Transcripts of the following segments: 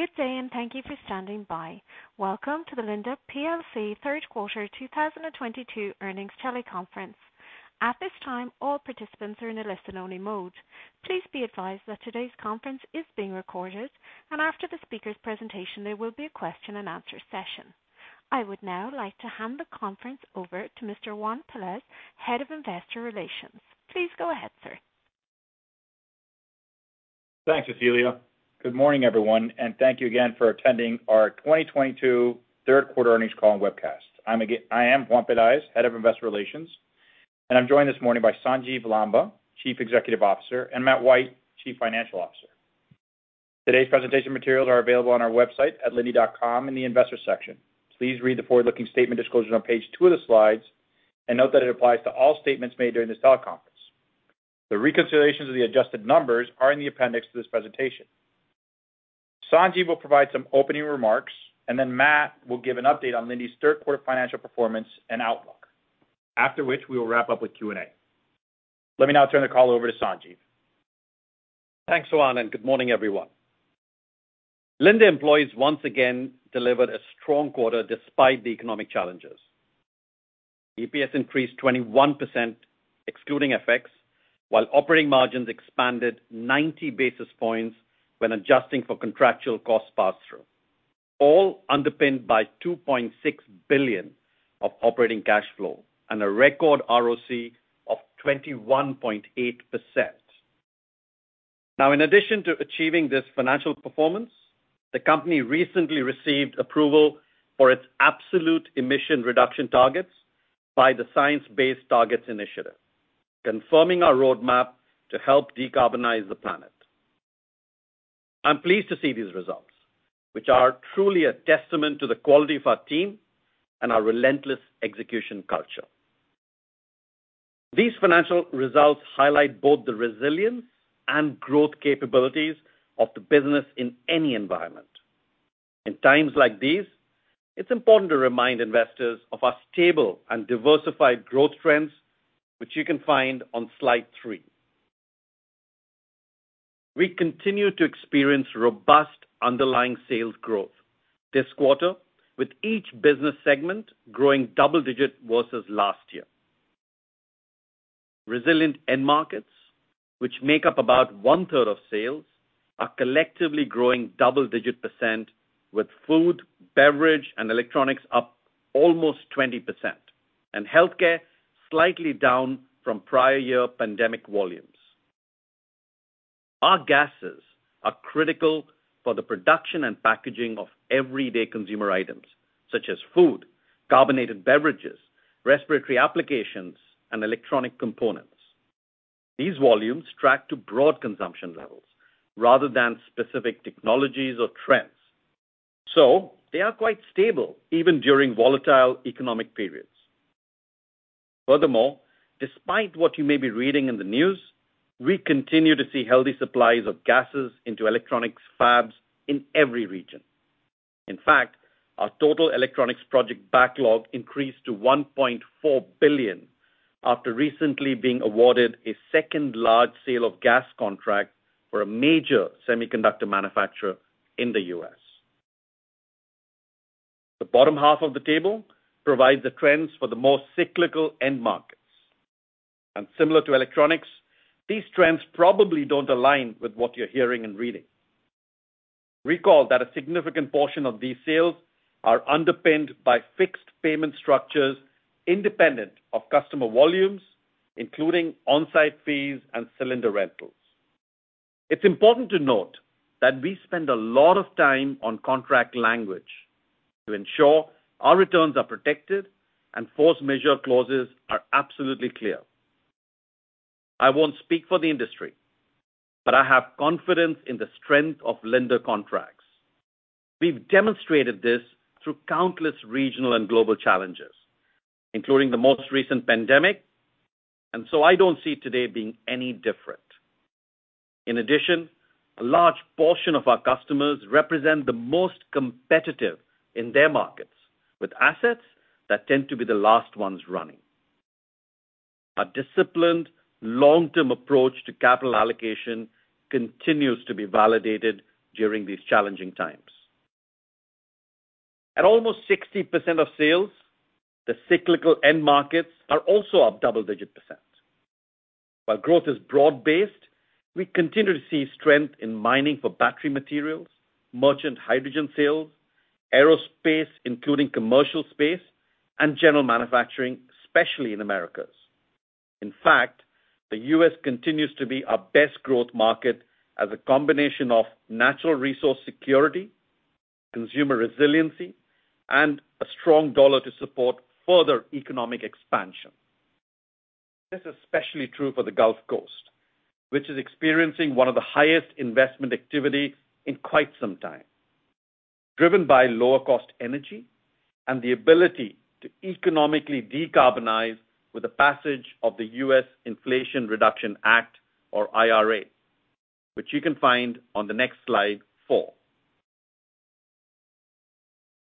Good day, and thank you for standing by. Welcome to the Linde plc third quarter 2022 earnings teleconference. At this time, all participants are in a listen only mode. Please be advised that today's conference is being recorded, and after the speaker's presentation, there will be a question-and-answer session. I would now like to hand the conference over to Mr. Juan Pelaez, Head of Investor Relations. Please go ahead, sir. Thanks, Cecilia. Good morning, everyone, and thank you again for attending our 2022 third quarter earnings call and webcast. I am Juan Pelaez, Head of Investor Relations, and I'm joined this morning by Sanjiv Lamba, Chief Executive Officer, and Matt White, Chief Financial Officer. Today's presentation materials are available on our website at linde.com in the investor section. Please read the forward-looking statement disclosures on page two of the slides, and note that it applies to all statements made during this teleconference. The reconciliations of the adjusted numbers are in the appendix to this presentation. Sanjiv will provide some opening remarks, and then Matt will give an update on Linde's third quarter financial performance and outlook. After which, we will wrap up with Q&A. Let me now turn the call over to Sanjiv. Thanks, Juan, and good morning, everyone. Linde employees once again delivered a strong quarter despite the economic challenges. EPS increased 21%, excluding FX, while operating margins expanded 90 basis points when adjusting for contractual cost pass-through, all underpinned by $2.6 billion of operating cash flow and a record ROC of 21.8%. Now, in addition to achieving this financial performance, the company recently received approval for its absolute emission reduction targets by the Science Based Targets initiative, confirming our roadmap to help decarbonize the planet. I'm pleased to see these results, which are truly a testament to the quality of our team and our relentless execution culture. These financial results highlight both the resilience and growth capabilities of the business in any environment. In times like these, it's important to remind investors of our stable and diversified growth trends, which you can find on slide three. We continue to experience robust underlying sales growth this quarter, with each business segment growing double digit versus last year. Resilient end markets, which make up about 1/3 of sales, are collectively growing double-digit percent, with food, beverage, and electronics up almost 20% and healthcare slightly down from prior year pandemic volumes. Our gases are critical for the production and packaging of everyday consumer items such as food, carbonated beverages, respiratory applications, and electronic components. These volumes track to broad consumption levels rather than specific technologies or trends, so they are quite stable even during volatile economic periods. Furthermore, despite what you may be reading in the news, we continue to see healthy supplies of gases into electronics fabs in every region. In fact, our total electronics project backlog increased to $1.4 billion after recently being awarded a second large sale of gas contract for a major semiconductor manufacturer in the U.S. The bottom half of the table provides the trends for the more cyclical end markets. Similar to electronics, these trends probably don't align with what you're hearing and reading. Recall that a significant portion of these sales are underpinned by fixed payment structures independent of customer volumes, including on-site fees and cylinder rentals. It's important to note that we spend a lot of time on contract language to ensure our returns are protected and force majeure clauses are absolutely clear. I won't speak for the industry, but I have confidence in the strength of Linde contracts. We've demonstrated this through countless regional and global challenges, including the most recent pandemic, and so I don't see today being any different. In addition, a large portion of our customers represent the most competitive in their markets, with assets that tend to be the last ones running. A disciplined, long-term approach to capital allocation continues to be validated during these challenging times. At almost 60% of sales, the cyclical end markets are also up double-digit percent. While growth is broad-based, we continue to see strength in mining for battery materials, merchant hydrogen sales, aerospace, including commercial space, and general manufacturing, especially in Americas. In fact, the U.S. continues to be our best growth market as a combination of natural resource security, consumer resiliency, and a strong dollar to support further economic expansion. This is especially true for the Gulf Coast, which is experiencing one of the highest investment activity in quite some time, driven by lower cost energy and the ability to economically decarbonize with the passage of the U.S. Inflation Reduction Act or IRA, which you can find on the next slide four.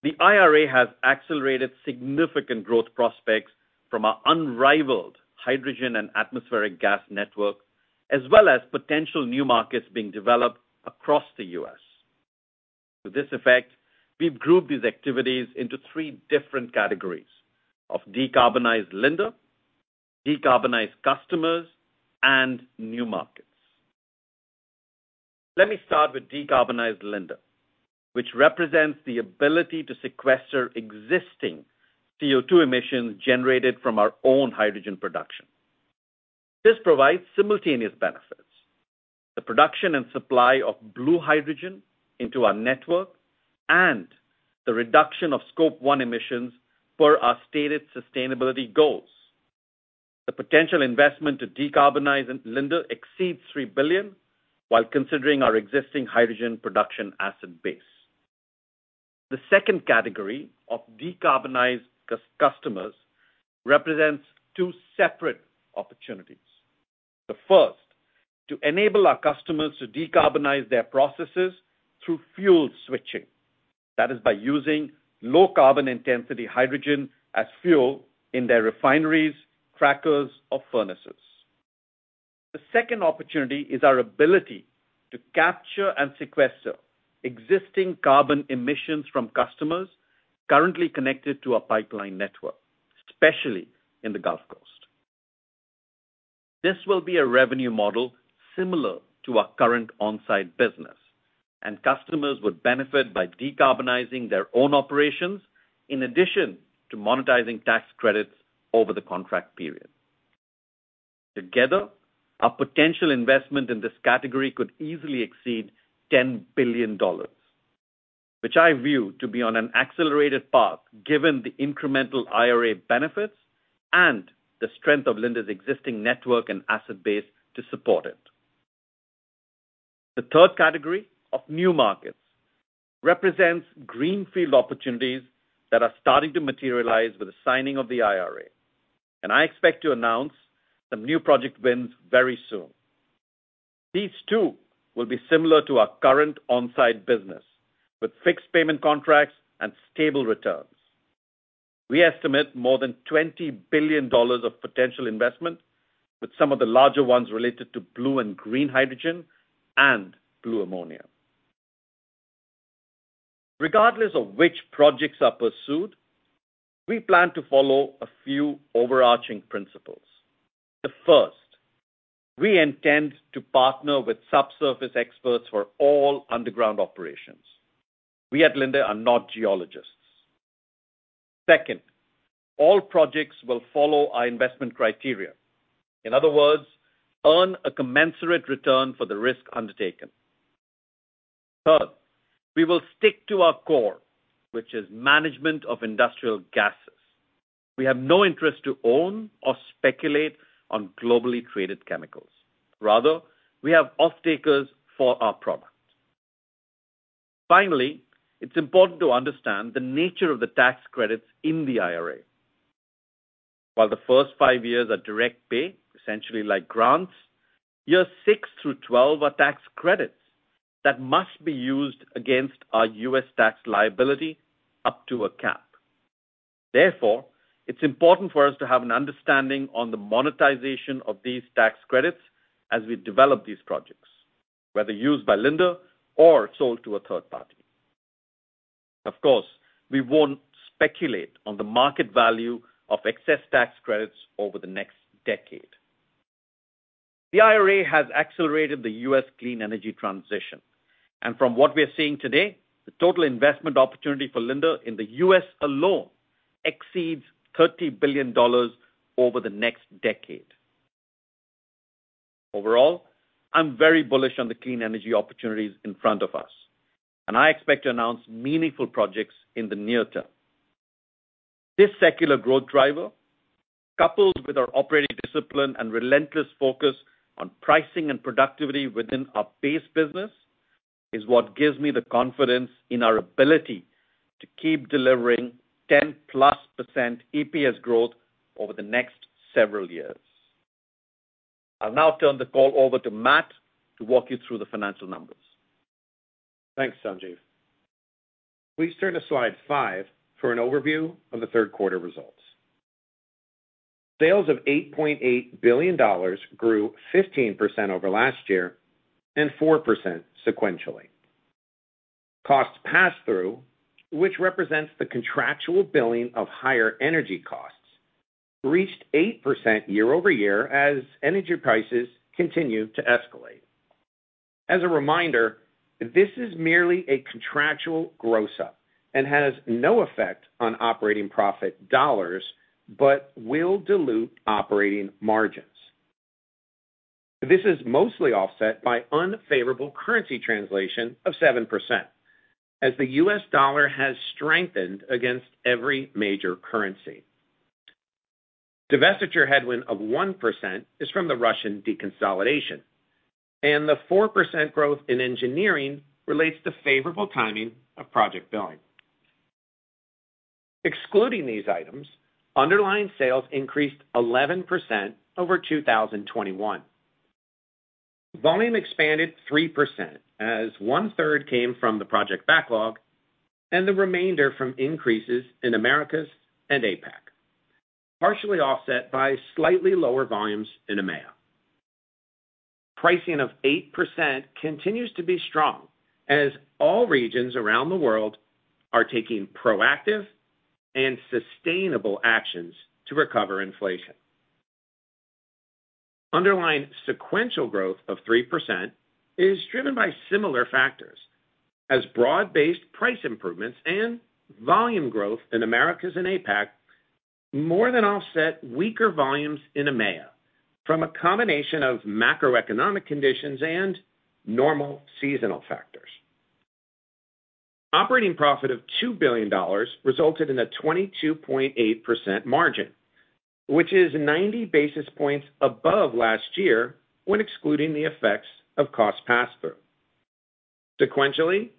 The IRA has accelerated significant growth prospects from our unrivaled hydrogen and atmospheric gas network, as well as potential new markets being developed across the U.S. To this effect, we've grouped these activities into three different categories of decarbonized Linde, decarbonized customers, and new markets. Let me start with decarbonized Linde, which represents the ability to sequester existing CO2 emissions generated from our own hydrogen production. This provides simultaneous benefits, the production and supply of blue hydrogen into our gas network, and the reduction of Scope 1 emissions per our stated sustainability goals. The potential investment to decarbonize Linde exceeds $3 billion, while considering our existing hydrogen production asset base. The second category of decarbonized customers represents two separate opportunities. The first, to enable our customers to decarbonize their processes through fuel switching. That is by using low carbon intensity hydrogen as fuel in their refineries, crackers or furnaces. The second opportunity is our ability to capture and sequester existing carbon emissions from customers currently connected to a pipeline network, especially in the Gulf Coast. This will be a revenue model similar to our current on-site business, and customers would benefit by decarbonizing their own operations in addition to monetizing tax credits over the contract period. Together, our potential investment in this category could easily exceed $10 billion, which I view to be on an accelerated path given the incremental IRA benefits and the strength of Linde's existing network and asset base to support it. The third category of new markets represents greenfield opportunities that are starting to materialize with the signing of the IRA, and I expect to announce some new project wins very soon. These too will be similar to our current on-site business, with fixed payment contracts and stable returns. We estimate more than $20 billion of potential investment, with some of the larger ones related to blue and green hydrogen and blue ammonia. Regardless of which projects are pursued, we plan to follow a few overarching principles. The first, we intend to partner with subsurface experts for all underground operations. We at Linde are not geologists. Second, all projects will follow our investment criteria. In other words, earn a commensurate return for the risk undertaken. Third, we will stick to our core, which is management of industrial gases. We have no interest to own or speculate on globally traded chemicals. Rather, we have off-takers for our products. Finally, it's important to understand the nature of the tax credits in the IRA. While the first five years are direct pay, essentially like grants, years six through 12 are tax credits that must be used against our U.S. tax liability up to a cap. Therefore, it's important for us to have an understanding on the monetization of these tax credits as we develop these projects, whether used by Linde or sold to a third party. Of course, we won't speculate on the market value of excess tax credits over the next decade. The IRA has accelerated the U.S. clean energy transition. From what we are seeing today, the total investment opportunity for Linde in the U.S. alone exceeds $30 billion over the next decade. Overall, I'm very bullish on the clean energy opportunities in front of us, and I expect to announce meaningful projects in the near term. This secular growth driver, coupled with our operating discipline and relentless focus on pricing and productivity within our base business, is what gives me the confidence in our ability to keep delivering 10%+ EPS growth over the next several years. I'll now turn the call over to Matt to walk you through the financial numbers. Thanks, Sanjiv. Please turn to slide five for an overview of the third quarter results. Sales of $8.8 billion grew 15% over last year and 4% sequentially. Cost pass-through, which represents the contractual billing of higher energy costs, reached 8% year-over-year as energy prices continue to escalate. As a reminder, this is merely a contractual gross up and has no effect on operating profit dollars, but will dilute operating margins. This is mostly offset by unfavorable currency translation of 7%, as the U.S. dollar has strengthened against every major currency. Divestiture headwind of 1% is from the Russian deconsolidation, and the 4% growth in engineering relates to favorable timing of project billing. Excluding these items, underlying sales increased 11% over 2021. Volume expanded 3% as 1/3 came from the project backlog and the remainder from increases in Americas and APAC, partially offset by slightly lower volumes in EMEA. Pricing of 8% continues to be strong as all regions around the world are taking proactive and sustainable actions to recover inflation. Underlying sequential growth of 3% is driven by similar factors as broad-based price improvements and volume growth in Americas and APAC more than offset weaker volumes in EMEA from a combination of macroeconomic conditions and normal seasonal factors. Operating profit of $2 billion resulted in a 22.8% margin, which is 90 basis points above last year when excluding the effects of cost passthrough. Sequentially,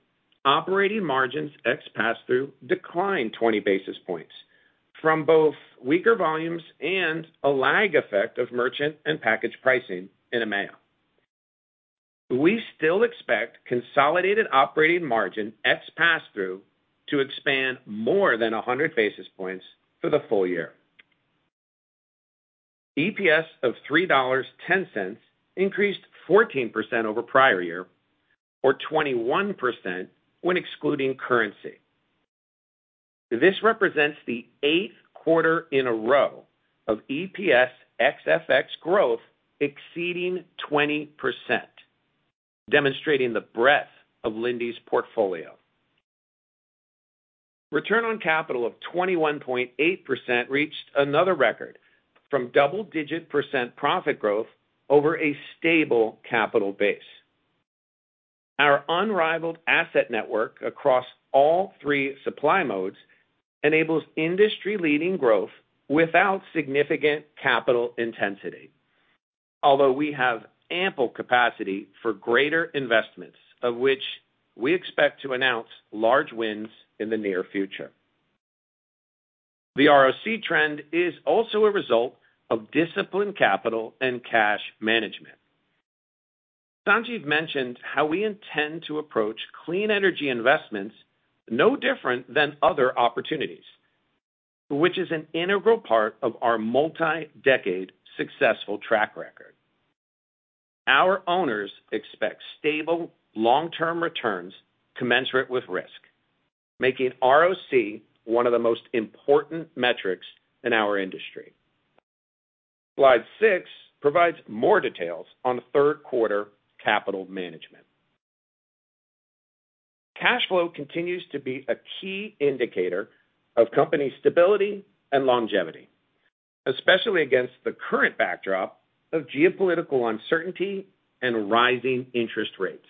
operating margins ex passthrough declined 20 basis points from both weaker volumes and a lag effect of merchant and package pricing in EMEA. We still expect consolidated operating margin ex passthrough to expand more than 100 basis points for the full year. EPS of $3.10 increased 14% over prior year or 21% when excluding currency. This represents the eighth quarter in a row of EPS ex FX growth exceeding 20%, demonstrating the breadth of Linde's portfolio. Return on capital of 21.8% reached another record from double-digit percent profit growth over a stable capital base. Our unrivaled asset network across all three supply modes enables industry-leading growth without significant capital intensity. Although we have ample capacity for greater investments, of which we expect to announce large wins in the near future. The ROC trend is also a result of disciplined capital and cash management. Sanjiv mentioned how we intend to approach clean energy investments no different than other opportunities, which is an integral part of our multi-decade successful track record. Our owners expect stable long-term returns commensurate with risk, making ROC one of the most important metrics in our industry. Slide six provides more details on third quarter capital management. Cash flow continues to be a key indicator of company stability and longevity, especially against the current backdrop of geopolitical uncertainty and rising interest rates.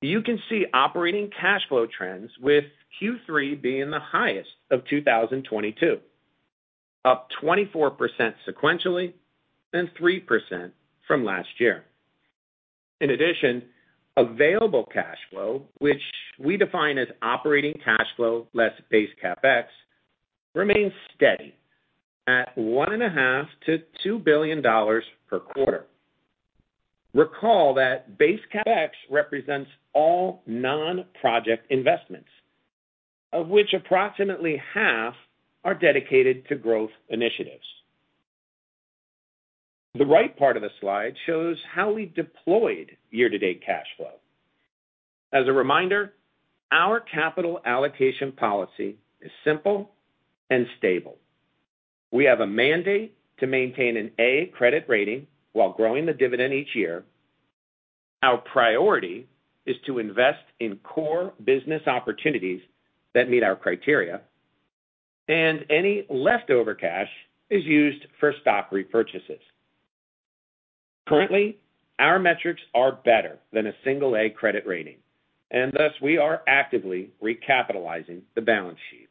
You can see operating cash flow trends with Q3 being the highest of 2022, up 24% sequentially and 3% from last year. In addition, available cash flow, which we define as operating cash flow less base CapEx, remains steady at $1.5 billion-$2 billion per quarter. Recall that base CapEx represents all non-project investments, of which approximately half are dedicated to growth initiatives. The right part of the slide shows how we deployed year-to-date cash flow. As a reminder, our capital allocation policy is simple and stable. We have a mandate to maintain an A credit rating while growing the dividend each year. Our priority is to invest in core business opportunities that meet our criteria, and any leftover cash is used for stock repurchases. Currently, our metrics are better than a single A credit rating, and thus, we are actively recapitalizing the balance sheet.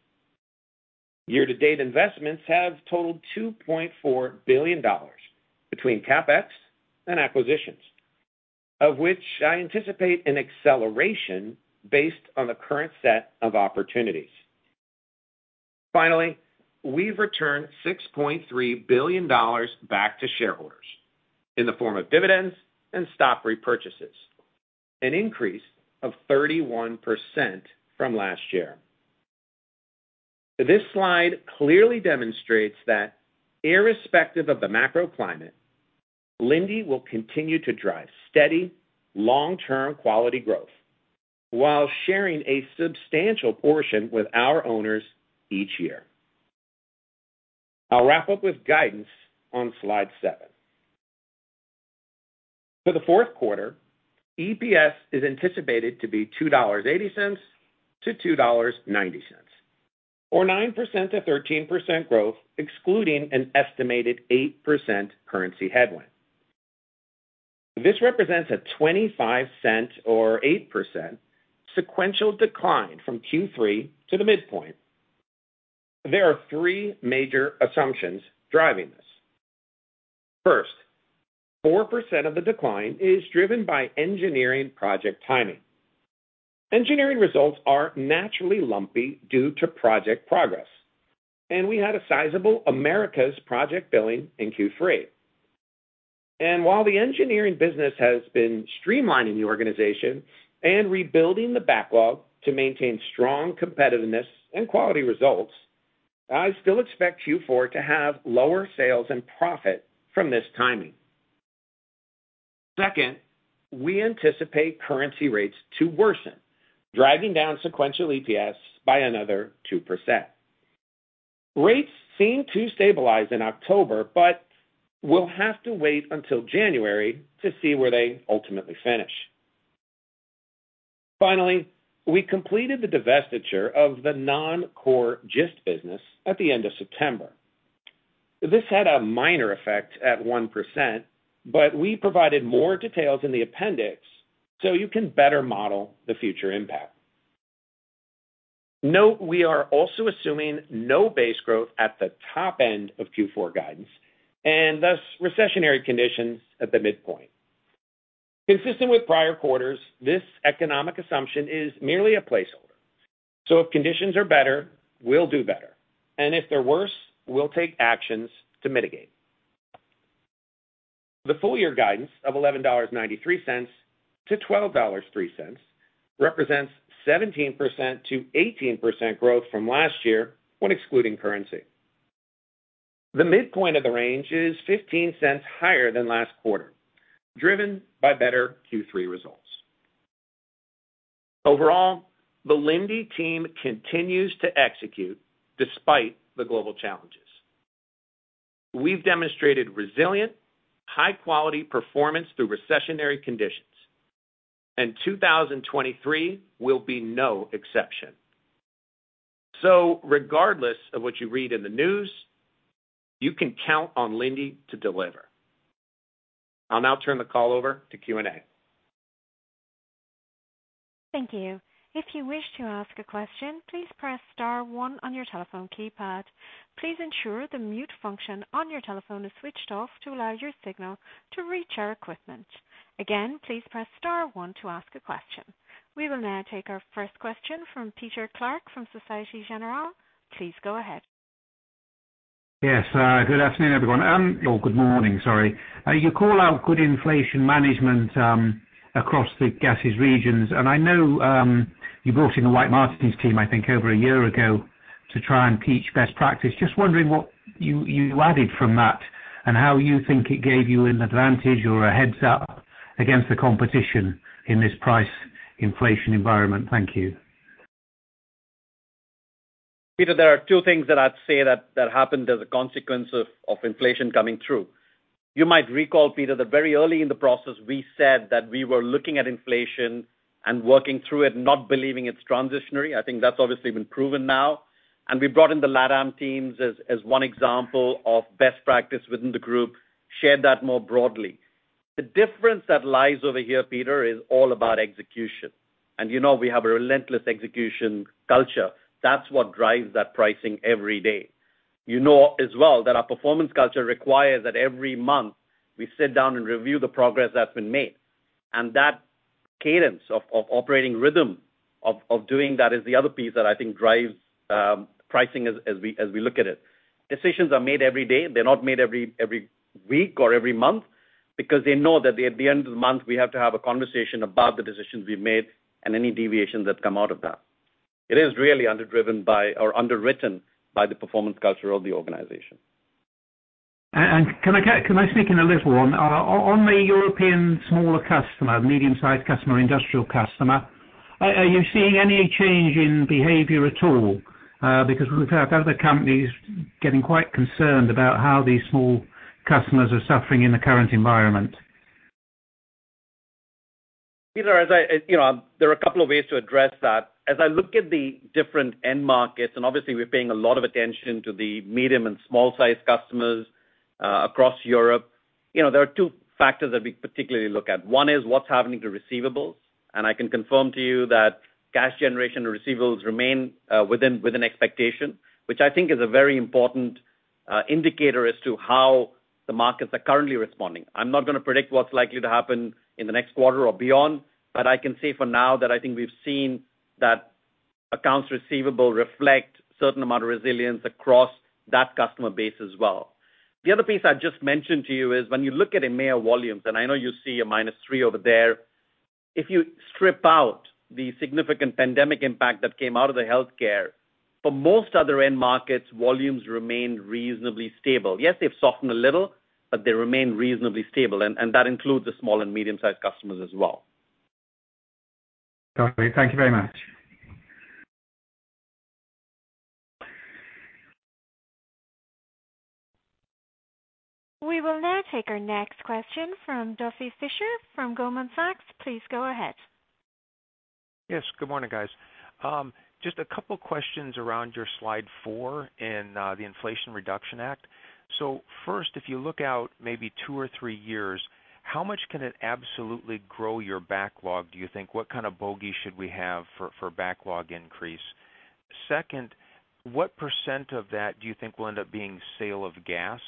Year-to-date investments have totaled $2.4 billion between CapEx and acquisitions, of which I anticipate an acceleration based on the current set of opportunities. Finally, we've returned $6.3 billion back to shareholders in the form of dividends and stock repurchases, an increase of 31% from last year. This slide clearly demonstrates that irrespective of the macro climate, Linde will continue to drive steady, long-term quality growth while sharing a substantial portion with our owners each year. I'll wrap up with guidance on slide seven. For the fourth quarter, EPS is anticipated to be $2.80-$2.90, or 9%-13% growth, excluding an estimated 8% currency headwind. This represents a $0.25 or 8% sequential decline from Q3 to the midpoint. There are three major assumptions driving this. First, 4% of the decline is driven by engineering project timing. Engineering results are naturally lumpy due to project progress, and we had a sizable Americas project billing in Q3. While the engineering business has been streamlining the organization and rebuilding the backlog to maintain strong competitiveness and quality results, I still expect Q4 to have lower sales and profit from this timing. Second, we anticipate currency rates to worsen, driving down sequential EPS by another 2%. Rates seem to stabilize in October, but we'll have to wait until January to see where they ultimately finish. Finally, we completed the divestiture of the non-core Gist business at the end of September. This had a minor effect at 1%, but we provided more details in the appendix so you can better model the future impact. Note, we are also assuming no base growth at the top end of Q4 guidance and thus recessionary conditions at the midpoint. Consistent with prior quarters, this economic assumption is merely a placeholder, so if conditions are better, we'll do better, and if they're worse, we'll take actions to mitigate. The full year guidance of $11.93-$12.03 represents 17%-18% growth from last year when excluding currency. The midpoint of the range is $0.15 higher than last quarter, driven by better Q3 results. Overall, the Linde team continues to execute despite the global challenges. We've demonstrated resilient, high-quality performance through recessionary conditions, and 2023 will be no exception. Regardless of what you read in the news, you can count on Linde to deliver. I'll now turn the call over to Q&A. Thank you. If you wish to ask a question, please press star one on your telephone keypad. Please ensure the mute function on your telephone is switched off to allow your signal to reach our equipment. Again, please press star one to ask a question. We will now take our first question from Peter Clark from Société Générale. Please go ahead. Yes. Good afternoon, everyone. Or good morning, sorry. You call out good inflation management across the gases regions. I know you brought in the White Martins team, I think, over a year ago to try and teach best practice. Just wondering what you added from that and how you think it gave you an advantage or a heads up against the competition in this price inflation environment. Thank you. Peter, there are two things that I'd say that happened as a consequence of inflation coming through. You might recall, Peter, that very early in the process, we said that we were looking at inflation and working through it, not believing it's transitory. I think that's obviously been proven now. We brought in the LatAm teams as one example of best practice within the group, shared that more broadly. The difference that lies over here, Peter, is all about execution. You know we have a relentless execution culture. That's what drives that pricing every day. You know as well that our performance culture requires that every month we sit down and review the progress that's been made. That cadence of operating rhythm of doing that is the other piece that I think drives pricing as we look at it. Decisions are made every day. They're not made every week or every month because they know that at the end of the month, we have to have a conversation about the decisions we've made and any deviations that come out of that. It is really underpinned by or underwritten by the performance culture of the organization. Can I sneak in a little one? On the European smaller customer, medium-sized customer, industrial customer, are you seeing any change in behavior at all? Because we've heard other companies getting quite concerned about how these small customers are suffering in the current environment. Peter, you know, there are a couple of ways to address that. As I look at the different end markets, and obviously we're paying a lot of attention to the medium and small-sized customers across Europe. You know, there are two factors that we particularly look at. One is what's happening to receivables. I can confirm to you that cash generation receivables remain within expectation, which I think is a very important indicator as to how the markets are currently responding. I'm not gonna predict what's likely to happen in the next quarter or beyond, but I can say for now that I think we've seen that accounts receivable reflect certain amount of resilience across that customer base as well. The other piece I just mentioned to you is when you look at EMEA volumes, and I know you see a -3% over there. If you strip out the significant pandemic impact that came out of the healthcare, for most other end markets, volumes remain reasonably stable. Yes, they've softened a little, but they remain reasonably stable, and that includes the small and medium-sized customers as well. Got it. Thank you very much. We will now take our next question from Duffy Fischer from Goldman Sachs. Please go ahead. Yes, good morning, guys. Just a couple of questions around your slide four in the Inflation Reduction Act. First, if you look out maybe two or three years, how much can it absolutely grow your backlog, do you think? What kind of bogey should we have for backlog increase? Second, what percent of that do you think will end up being sale of gas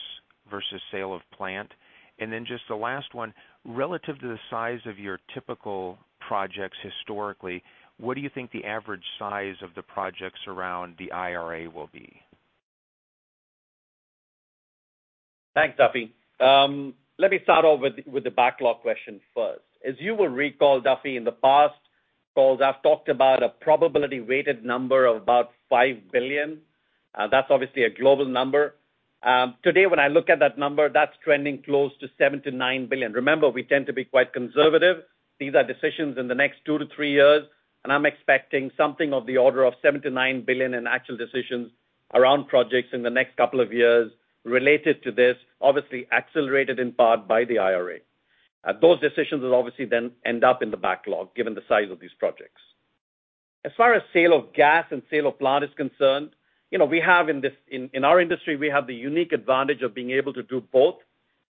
versus sale of plant? Then just the last one, relative to the size of your typical projects historically, what do you think the average size of the projects around the IRA will be? Thanks, Duffy. Let me start off with the backlog question first. As you will recall, Duffy, in the past calls, I've talked about a probability weighted number of about $5 billion. That's obviously a global number. Today, when I look at that number, that's trending close to $7 billion-$9 billion. Remember, we tend to be quite conservative. These are decisions in the next two to three years, and I'm expecting something of the order of $7 billion-$9 billion in actual decisions around projects in the next couple of years related to this, obviously accelerated in part by the IRA. Those decisions will obviously then end up in the backlog given the size of these projects. As far as sale of gas and sale of plant is concerned, you know, we have in our industry the unique advantage of being able to do both,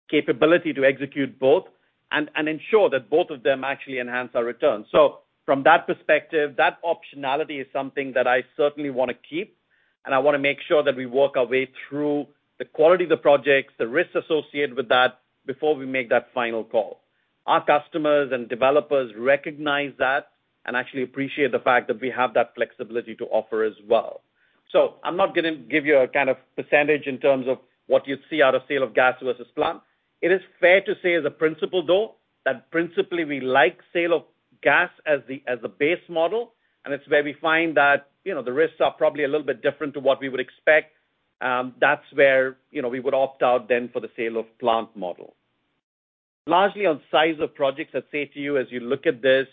capability to execute both, and ensure that both of them actually enhance our returns. From that perspective, that optionality is something that I certainly wanna keep, and I wanna make sure that we work our way through the quality of the projects, the risks associated with that before we make that final call. Our customers and developers recognize that and actually appreciate the fact that we have that flexibility to offer as well. I'm not gonna give you a kind of percentage in terms of what you'd see out of sale of gas versus plant. It is fair to say as a principle, though, that principally we like sale of gas as the base model, and it's where we find that, you know, the risks are probably a little bit different to what we would expect. That's where, you know, we would opt out then for the sale of plant model. Largely on size of projects, I'd say to you as you look at this,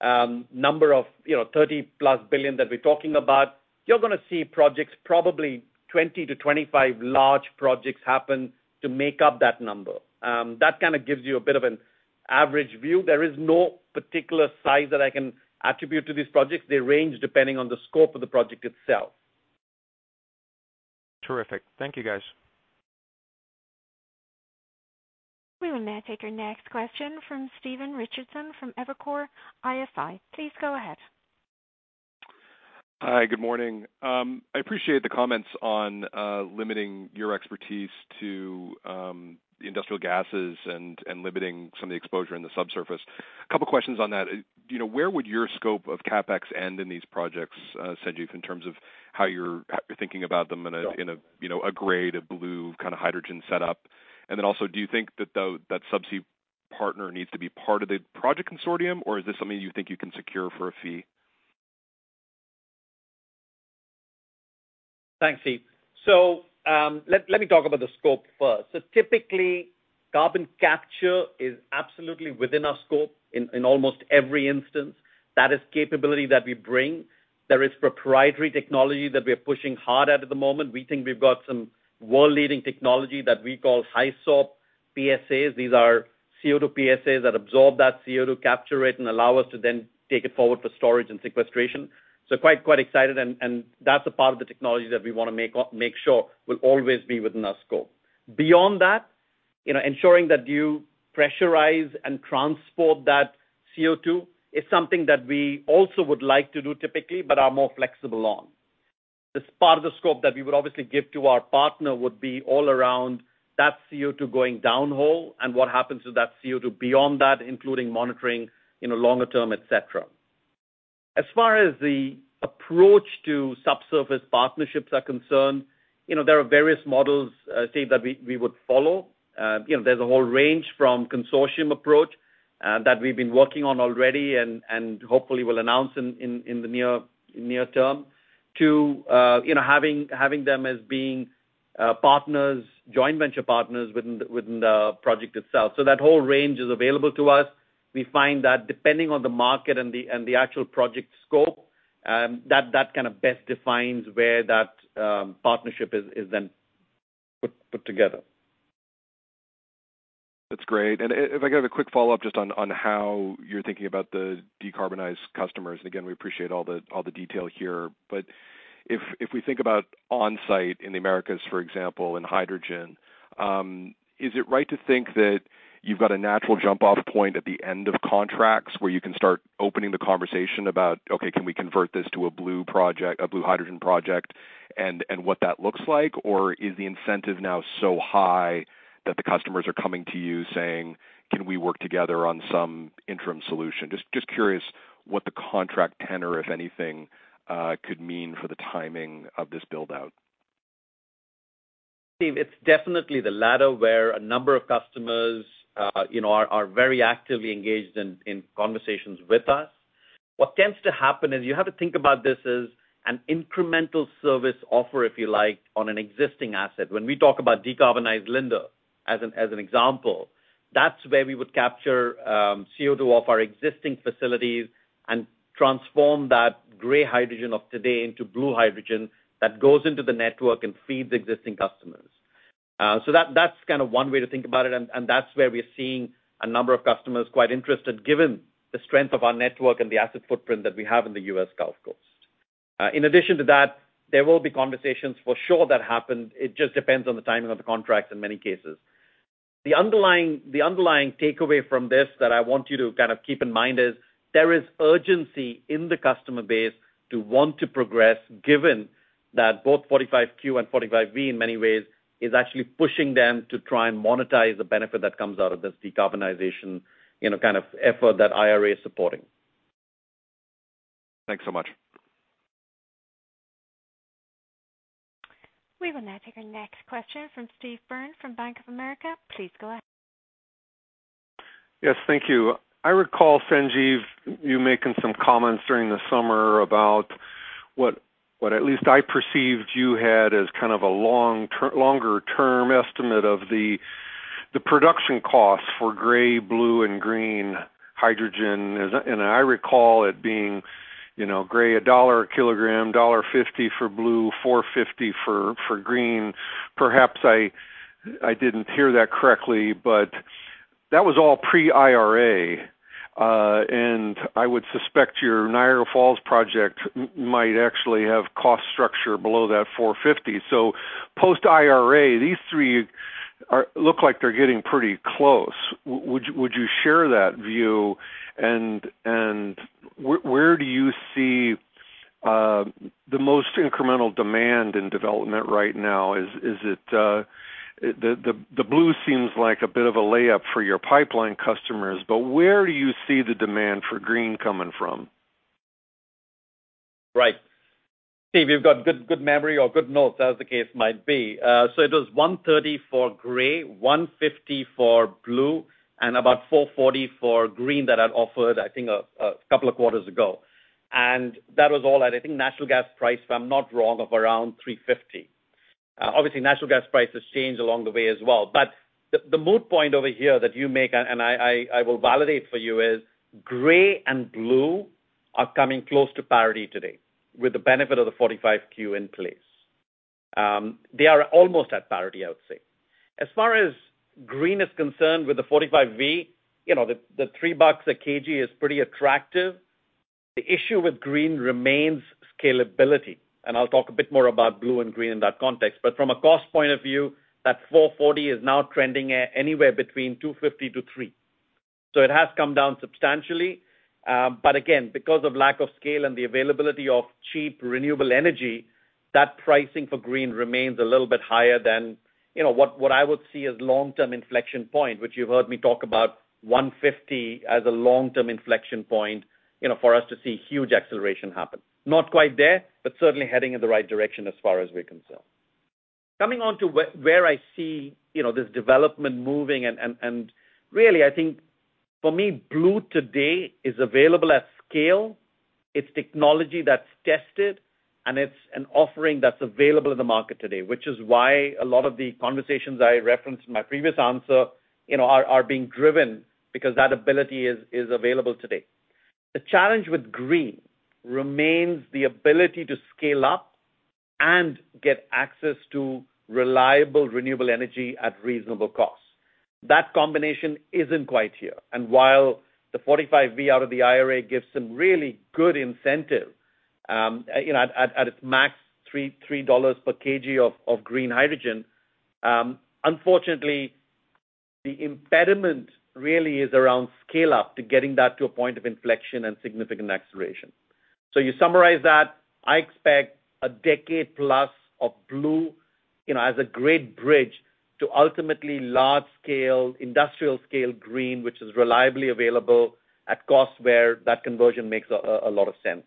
number of, you know, $30+ billion that we're talking about, you're gonna see projects, probably 20-25 large projects happen to make up that number. That kind of gives you a bit of an average view. There is no particular size that I can attribute to these projects. They range depending on the scope of the project itself. Terrific. Thank you, guys. We will now take your next question from Stephen Richardson from Evercore ISI. Please go ahead. Hi. Good morning. I appreciate the comments on limiting your expertise to industrial gases and limiting some of the exposure in the subsurface. A couple questions on that. You know, where would your scope of CapEx end in these projects, Sanjiv, in terms of how you're thinking about them in a, you know, A-grade blue hydrogen setup? Then also, do you think, though, that subsea partner needs to be part of the project consortium, or is this something you think you can secure for a fee? Thanks, Steve. Let me talk about the scope first. Typically, carbon capture is absolutely within our scope in almost every instance. That is capability that we bring. There is proprietary technology that we are pushing hard at the moment. We think we've got some world-leading technology that we call HISORP PSA. These are CO2 PSAs that absorb that CO2, capture it, and allow us to then take it forward for storage and sequestration. Quite excited and that's a part of the technology that we wanna make sure will always be within our scope. Beyond that, you know, ensuring that you pressurize and transport that CO2 is something that we also would like to do typically, but are more flexible on. This part of the scope that we would obviously give to our partner would be all around that CO2 going downhole and what happens to that CO2 beyond that, including monitoring, you know, longer term, et cetera. As far as the approach to subsurface partnerships are concerned, you know, there are various models, Steve, that we would follow. You know, there's a whole range from consortium approach that we've been working on already and hopefully will announce in the near term to, you know, having them as being partners, joint venture partners within the project itself. So that whole range is available to us. We find that depending on the market and the actual project scope, that kind of best defines where that partnership is then put together. That's great. If I could have a quick follow-up just on how you're thinking about the decarbonized customers. Again, we appreciate all the detail here. If we think about onsite in the Americas, for example, and hydrogen, is it right to think that you've got a natural jump-off point at the end of contracts where you can start opening the conversation about, okay, can we convert this to a blue project, a blue hydrogen project and what that looks like? Or is the incentive now so high that the customers are coming to you saying, "Can we work together on some interim solution?" Just curious what the contract tenor, if anything, could mean for the timing of this build-out. Steve, it's definitely the latter, where a number of customers, you know, are very actively engaged in conversations with us. What tends to happen is you have to think about this as an incremental service offer, if you like, on an existing asset. When we talk about decarbonized Linde as an example, that's where we would capture CO2 off our existing facilities and transform that gray hydrogen of today into blue hydrogen that goes into the network and feeds existing customers. So that's kind of one way to think about it, and that's where we're seeing a number of customers quite interested given the strength of our network and the asset footprint that we have in the U.S. Gulf Coast. In addition to that, there will be conversations for sure that happen. It just depends on the timing of the contracts in many cases. The underlying takeaway from this that I want you to kind of keep in mind is there is urgency in the customer base to want to progress, given that both 45Q and 45V in many ways is actually pushing them to try and monetize the benefit that comes out of this decarbonization, you know, kind of effort that IRA is supporting. Thanks so much. We will now take our next question from Steve Byrne from Bank of America. Please go ahead. Yes, thank you. I recall, Sanjiv, you making some comments during the summer about what at least I perceived you had as kind of a longer term estimate of the production costs for gray, blue and green hydrogen. I recall it being, you know, gray, $1 a kilogram, $1.50 for blue, $4.50 for green. Perhaps I didn't hear that correctly, but that was all pre-IRA. I would suspect your Niagara Falls project might actually have cost structure below that $4.50. Post-IRA, these three look like they're getting pretty close. Would you share that view? Where do you see the most incremental demand in development right now? Is it the blue seems like a bit of a layup for your pipeline customers, but where do you see the demand for green coming from? Right. Steve, you've got good memory or good notes, as the case might be. So it was $1.30/kg for gray, $1.50/kg for blue, and about $4.40/kg for green that I'd offered, I think a couple of quarters ago. That was all at, I think, natural gas price, if I'm not wrong, of around $3.50. Obviously natural gas prices change along the way as well. The moot point over here that you make, and I will validate for you, is gray and blue are coming close to parity today with the benefit of the 45Q in place. They are almost at parity, I would say. As far as green is concerned with the 45V, the $3/kg is pretty attractive. The issue with green remains scalability, and I'll talk a bit more about blue and green in that context. From a cost point of view, that $4.40 is now trending at anywhere between $2.50/kg-$3/kg. It has come down substantially. But again, because of lack of scale and the availability of cheap renewable energy, that pricing for green remains a little bit higher than, you know, what I would see as long-term inflection point, which you've heard me talk about $1.50 as a long-term inflection point, you know, for us to see huge acceleration happen. Not quite there, but certainly heading in the right direction as far as we're concerned. Coming on to where I see, you know, this development moving and really, I think for me, blue today is available at scale. It's technology that's tested, and it's an offering that's available in the market today, which is why a lot of the conversations I referenced in my previous answer, you know, are being driven because that ability is available today. The challenge with green remains the ability to scale up and get access to reliable, renewable energy at reasonable cost. That combination isn't quite here. While the 45V out of the IRA gives some really good incentive, you know, at its max $3/kg of green hydrogen, unfortunately, the impediment really is around scale up to getting that to a point of inflection and significant acceleration. You summarize that, I expect a decade plus of blue, you know, as a great bridge to ultimately large scale, industrial scale green, which is reliably available at cost where that conversion makes a lot of sense.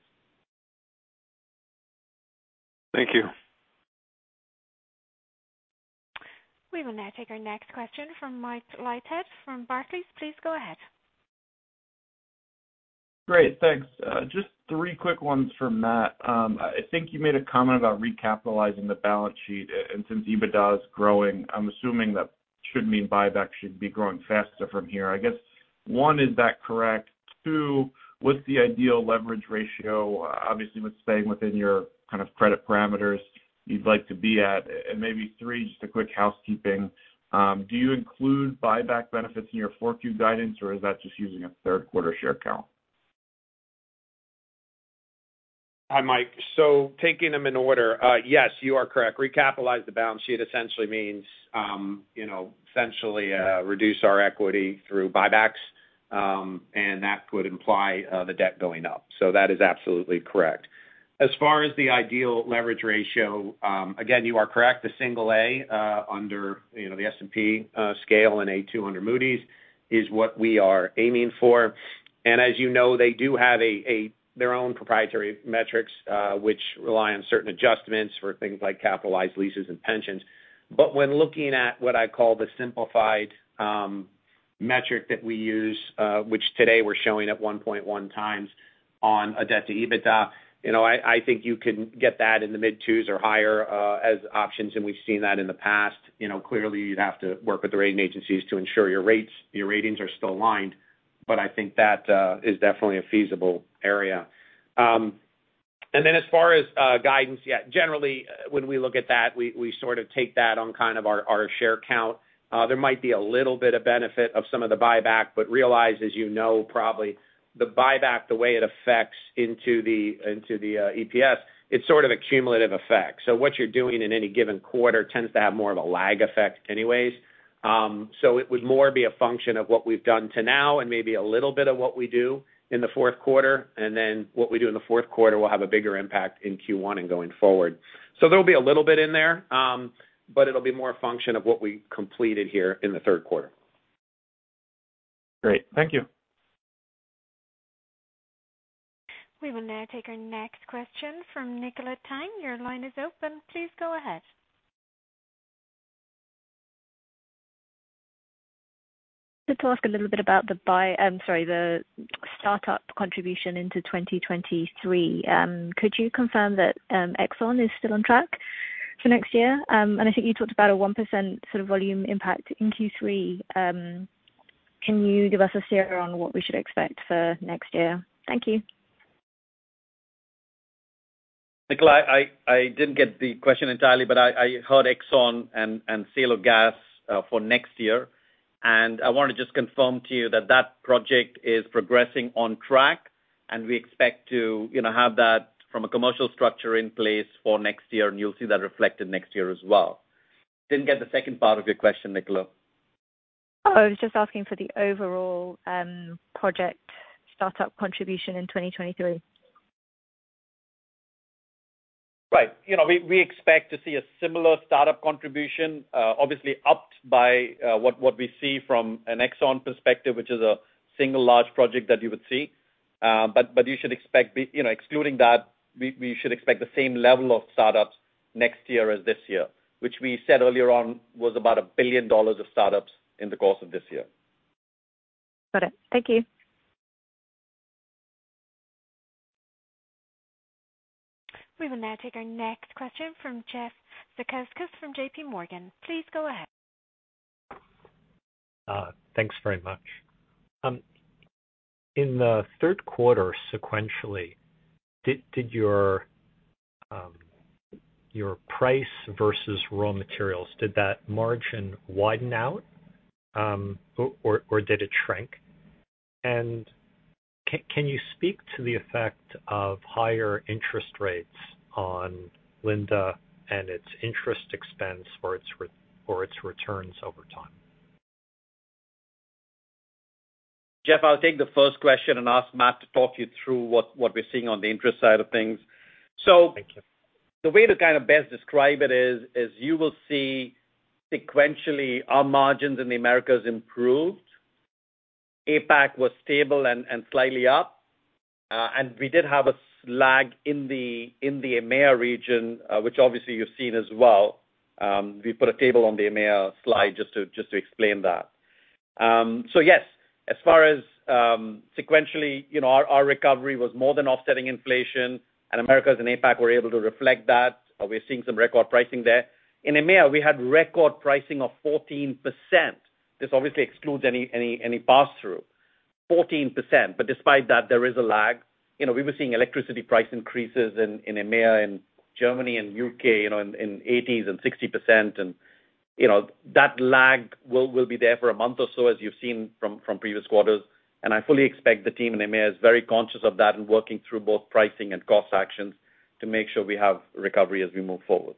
Thank you. We will now take our next question from Mike Leithead from Barclays. Please go ahead. Great, thanks. Just three quick ones from Matt. I think you made a comment about recapitalizing the balance sheet, and since EBITDA is growing, I'm assuming that should mean buyback should be growing faster from here. I guess, one, is that correct? Two, what's the ideal leverage ratio, obviously with staying within your kind of credit parameters you'd like to be at? Maybe three, just a quick housekeeping. Do you include buyback benefits in your 4Q guidance, or is that just using a third quarter share count? Hi, Mike. Taking them in order, yes, you are correct. Recapitalize the balance sheet essentially means, you know, essentially, reduce our equity through buybacks, and that would imply the debt going up. That is absolutely correct. As far as the ideal leverage ratio, again, you are correct. The single A under the S&P scale and A2 from Moody's is what we are aiming for. As you know, they do have their own proprietary metrics, which rely on certain adjustments for things like capitalized leases and pensions. When looking at what I call the simplified metric that we use, which today we're showing at 1.1x on a debt-to-EBITDA, you know, I think you can get that in the mid-2x or higher as options, and we've seen that in the past. You know, clearly you'd have to work with the rating agencies to ensure your rates, your ratings are still aligned, but I think that is definitely a feasible area. As far as guidance, yeah, generally, when we look at that, we sort of take that on kind of our share count. There might be a little bit of benefit of some of the buyback, but realize, as you know, probably the buyback, the way it affects into the EPS, it's sort of a cumulative effect. What you're doing in any given quarter tends to have more of a lag effect anyways. It would more be a function of what we've done to now and maybe a little bit of what we do in the fourth quarter, and then what we do in the fourth quarter will have a bigger impact in Q1 and going forward. There'll be a little bit in there, but it'll be more a function of what we completed here in the third quarter. Great. Thank you. We will now take our next question from Nicola Tang. Your line is open. Please go ahead. To talk a little bit about the startup contribution into 2023. Could you confirm that ExxonMobil is still on track for next year? I think you talked about a 1% sort of volume impact in Q3. Can you give us a figure on what we should expect for next year? Thank you. Nicola, I didn't get the question entirely, but I heard ExxonMobil and sale of gas for next year. I wanna just confirm to you that that project is progressing on track, and we expect to, you know, have that from a commercial structure in place for next year, and you'll see that reflected next year as well. Didn't get the second part of your question, Nicola. Oh, I was just asking for the overall project startup contribution in 2023. Right. You know, we expect to see a similar startup contribution, obviously upped by what we see from an ExxonMobil perspective, which is a single large project that you would see. You know, excluding that, we should expect the same level of startups next year as this year, which we said earlier on was about $1 billion of startups in the course of this year. Got it. Thank you. We will now take our next question from Jeff Zekauskas from JPMorgan. Please go ahead. Thanks very much. In the third quarter sequentially, did your price versus raw materials, did that margin widen out, or did it shrink? Can you speak to the effect of higher interest rates on Linde and its interest expense for its returns over time? Jeff, I'll take the first question and ask Matt to talk you through what we're seeing on the interest side of things. Thank you. The way to kind of best describe it is you will see sequentially our margins in the Americas improved. APAC was stable and slightly up, and we did have a lag in the EMEA region, which obviously you've seen as well. We put a table on the EMEA slide just to explain that. Yes, as far as sequentially, you know, our recovery was more than offsetting inflation and Americas and APAC were able to reflect that. We're seeing some record pricing there. In EMEA, we had record pricing of 14%. This obviously excludes any pass-through. 14%. But despite that, there is a lag. You know, we were seeing electricity price increases in EMEA, in Germany and U.K., you know, in 80% and 60%. You know, that lag will be there for a month or so, as you've seen from previous quarters. I fully expect the team in EMEA is very conscious of that and working through both pricing and cost actions to make sure we have recovery as we move forward.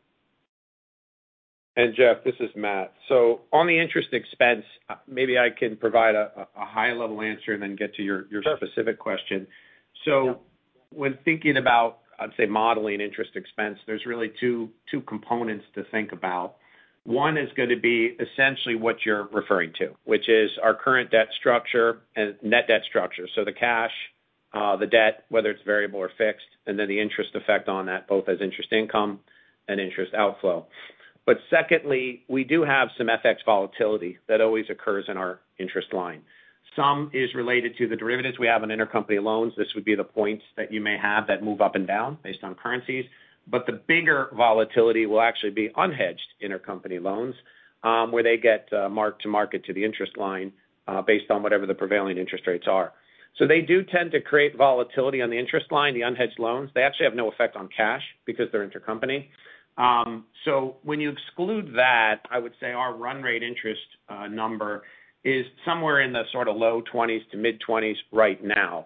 Jeff, this is Matt. On the interest expense, maybe I can provide a high-level answer and then get to your specific question. Sure. Yeah. When thinking about, I'd say modeling interest expense, there's really two components to think about. One is gonna be essentially what you're referring to, which is our current debt structure and net debt structure. The cash, the debt, whether it's variable or fixed, and then the interest effect on that, both as interest income and interest outflow. Secondly, we do have some FX volatility that always occurs in our interest line. Some is related to the derivatives we have in intercompany loans. This would be the points that you may have that move up and down based on currencies. The bigger volatility will actually be unhedged intercompany loans, where they get marked to market to the interest line based on whatever the prevailing interest rates are. They do tend to create volatility on the interest line, the unhedged loans. They actually have no effect on cash because they're intercompany. When you exclude that, I would say our run rate interest number is somewhere in the sorta low-$20 million to mid-$20 million right now.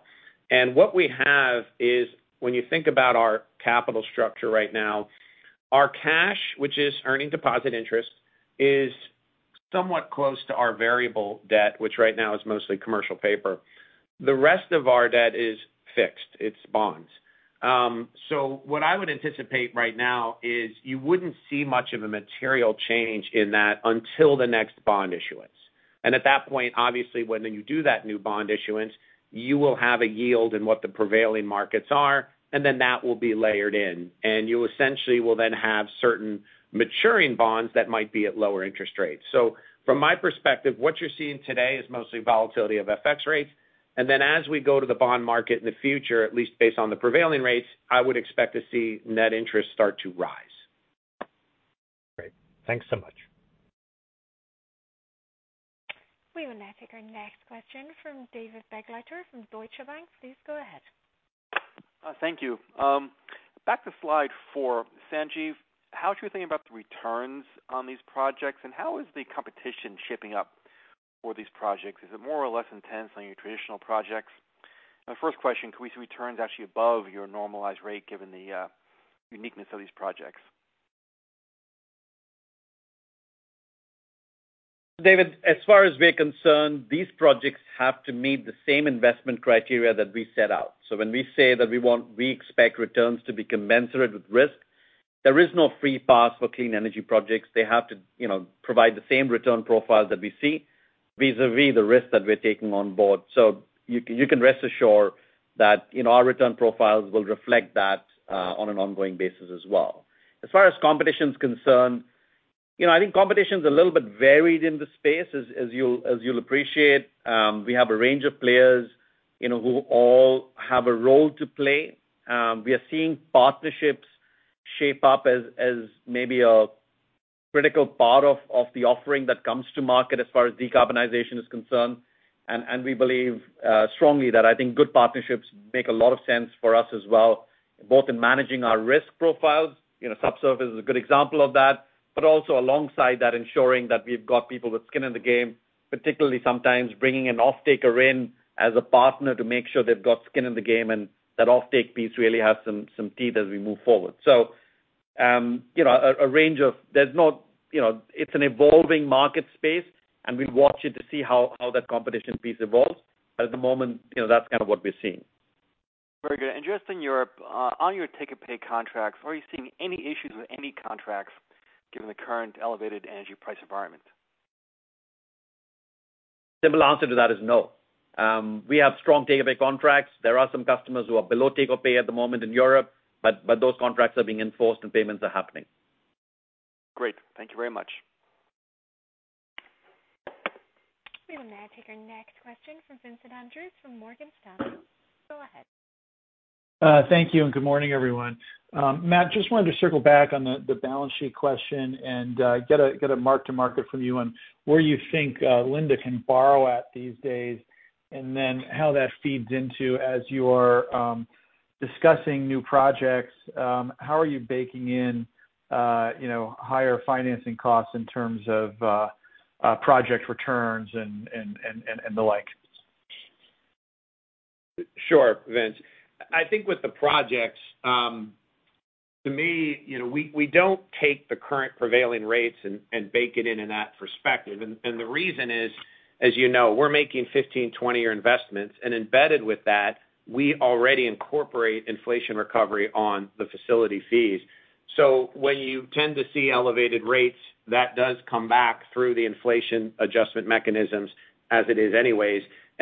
What we have is, when you think about our capital structure right now, our cash, which is earning deposit interest, is somewhat close to our variable debt, which right now is mostly commercial paper. The rest of our debt is fixed. It's bonds. What I would anticipate right now is you wouldn't see much of a material change in that until the next bond issuance. At that point, obviously, when you do that new bond issuance, you will have a yield in line with what the prevailing markets are, and then that will be layered in. You essentially will then have certain maturing bonds that might be at lower interest rates. From my perspective, what you're seeing today is mostly volatility of FX rates. As we go to the bond market in the future, at least based on the prevailing rates, I would expect to see net interest start to rise. Great. Thanks so much. Take our next question from David Begleiter from Deutsche Bank. Please go ahead. Thank you. Back to slide four, Sanjiv, how should we think about the returns on these projects, and how is the competition shaping up for these projects? Is it more or less intense than your traditional projects? My first question, can we see returns actually above your normalized rate given the uniqueness of these projects? David, as far as we're concerned, these projects have to meet the same investment criteria that we set out. When we say that we expect returns to be commensurate with risk, there is no free pass for clean energy projects. They have to, you know, provide the same return profiles that we see vis-à-vis the risk that we're taking on board. You can rest assured that, you know, our return profiles will reflect that on an ongoing basis as well. As far as competition's concerned, you know, I think competition's a little bit varied in this space. As you'll appreciate, we have a range of players, you know, who all have a role to play. We are seeing partnerships shape up as maybe a critical part of the offering that comes to market as far as decarbonization is concerned. We believe strongly that I think good partnerships make a lot of sense for us as well, both in managing our risk profiles, you know, subsidy is a good example of that, but also alongside that, ensuring that we've got people with skin in the game, particularly sometimes bringing an offtaker in as a partner to make sure they've got skin in the game and that offtake piece really has some teeth as we move forward. You know, there's not, you know, it's an evolving market space, and we watch it to see how that competition piece evolves. At the moment, you know, that's kind of what we're seeing. Very good. Just in Europe, on your take-or-pay contracts, are you seeing any issues with any contracts given the current elevated energy price environment? Simple answer to that is no. We have strong take-or-pay contracts. There are some customers who are below take-or-pay at the moment in Europe, but those contracts are being enforced and payments are happening. Great. Thank you very much. We will now take our next question from Vincent Andrews from Morgan Stanley. Go ahead. Thank you, and good morning, everyone. Matt, just wanted to circle back on the balance sheet question and get a mark to market from you on where you think Linde can borrow at these days, and then how that feeds into as you are discussing new projects, how are you baking in you know higher financing costs in terms of project returns and the like? Sure, Vince. I think with the projects, to me, you know, we don't take the current prevailing rates and bake it in that perspective. The reason is, as you know, we're making 15 to 20-year investments, and embedded with that, we already incorporate inflation recovery on the facility fees. When you tend to see elevated rates, that does come back through the inflation adjustment mechanisms as it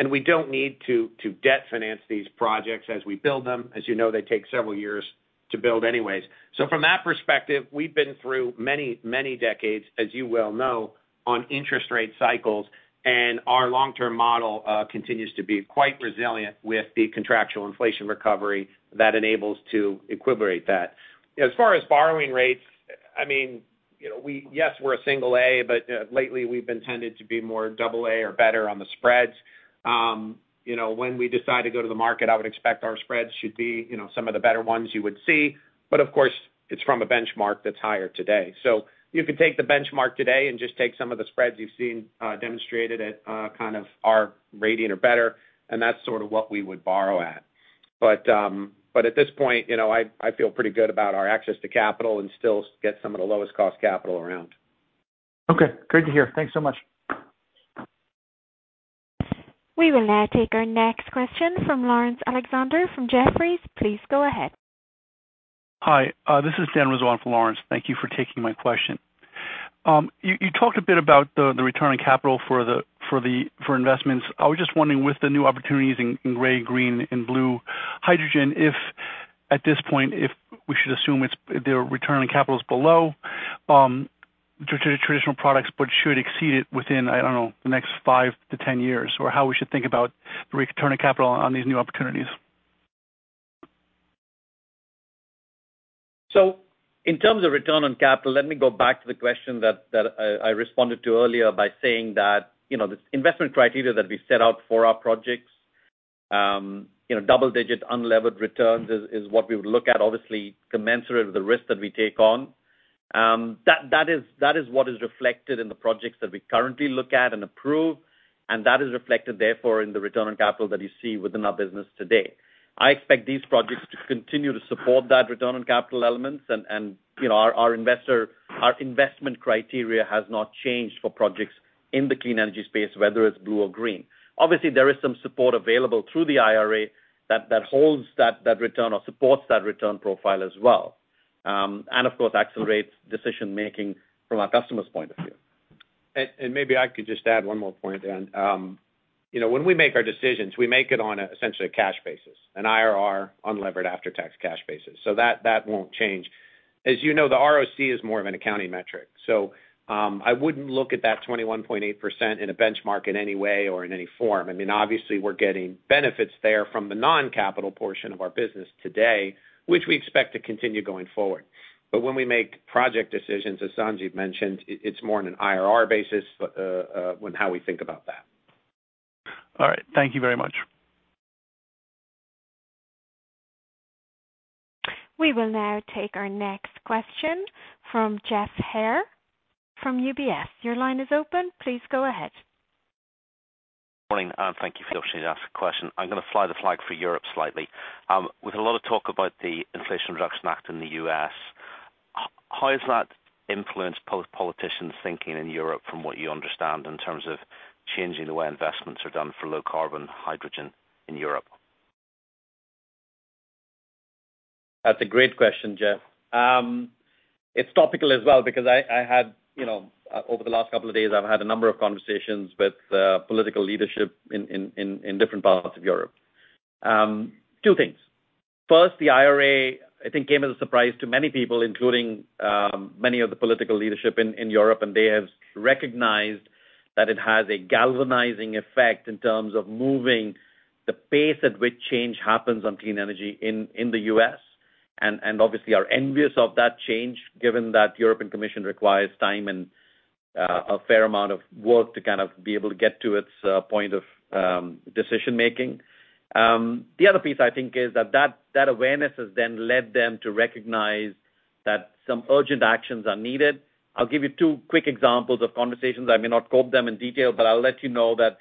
is anyways. We don't need to debt finance these projects as we build them. As you know, they take several years to build anyways. From that perspective, we've been through many, many decades, as you well know, on interest rate cycles, and our long-term model continues to be quite resilient with the contractual inflation recovery that enables to equilibrate that. As far as borrowing rates, I mean, you know, we're a single A, but lately we've tended to be more double A or better on the spreads. You know, when we decide to go to the market, I would expect our spreads should be, you know, some of the better ones you would see, but of course, it's from a benchmark that's higher today. You could take the benchmark today and just take some of the spreads you've seen demonstrated at kind of our rating or better, and that's sort of what we would borrow at. But at this point, you know, I feel pretty good about our access to capital and still get some of the lowest cost capital around. Okay. Great to hear. Thanks so much. We will now take our next question from Laurence Alexander from Jefferies. Please go ahead. Hi. This is Dan Rizzo for Laurence. Thank you for taking my question. You talked a bit about the return on capital for investments. I was just wondering with the new opportunities in gray, green and blue hydrogen, if at this point, if we should assume it's the return on capital is below traditional products, but should exceed it within, I don't know, the next five to 10 years, or how we should think about the return on capital on these new opportunities. In terms of return on capital, let me go back to the question that I responded to earlier by saying that, you know, the investment criteria that we set out for our projects, you know, double-digit unlevered returns is what we would look at, obviously commensurate with the risk that we take on. That is what is reflected in the projects that we currently look at and approve, and that is reflected, therefore, in the return on capital that you see within our business today. I expect these projects to continue to support that return on capital elements and, you know, our investment criteria has not changed for projects in the clean energy space, whether it's blue or green. Obviously, there is some support available through the IRA that holds that return or supports that return profile as well, and of course accelerates decision-making from our customer's point of view. Maybe I could just add one more point, Dan. You know, when we make our decisions, we make it on essentially a cash basis, an IRR unlevered after-tax cash basis. That won't change. As you know, the ROC is more of an accounting metric, so I wouldn't look at that 21.8% in a benchmark in any way or in any form. I mean, obviously we're getting benefits there from the non-capital portion of our business today, which we expect to continue going forward. But when we make project decisions, as Sanjiv mentioned, it's more on an IRR basis, when how we think about that. All right. Thank you very much. We will now take our next question from Geoff Haire from UBS. Your line is open. Please go ahead. Morning, and thank you for the opportunity to ask a question. I'm gonna fly the flag for Europe slightly. With a lot of talk about the Inflation Reduction Act in the U.S., how does that influence politicians thinking in Europe from what you understand in terms of changing the way investments are done for low carbon hydrogen in Europe? That's a great question, Geoff. It's topical as well because I had, you know, over the last couple of days, I've had a number of conversations with political leadership in different parts of Europe. Two things. First, the IRA, I think came as a surprise to many people, including many of the political leadership in Europe, and they have recognized that it has a galvanizing effect in terms of moving the pace at which change happens on clean energy in the U.S., and obviously are envious of that change given that European Commission requires time and a fair amount of work to kind of be able to get to its point of decision-making. The other piece, I think, is that awareness has then led them to recognize that some urgent actions are needed. I'll give you two quick examples of conversations. I may not quote them in detail, but I'll let you know that